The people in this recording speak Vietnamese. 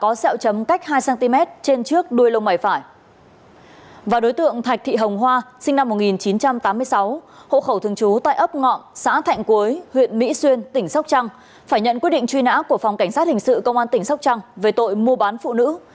còn về tội chứa mại dâm phòng cảnh sát thiền án hình sự và hỗ trợ tư pháp cơ quan tỉnh sóc trăng đã ra quyết định truy nã đối với đối tượng thạch thị hồng hoa sinh năm một nghìn chín trăm tám mươi sáu hộ khẩu thường trú tại ấp ngọng xã thạnh cuối huyện mỹ xuyên tỉnh sóc trăng phải nhận quyết định truy nã của phòng cảnh sát hình sự công an tỉnh sóc trăng về tội mua bán phụ nữ